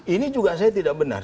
ini juga saya tidak benar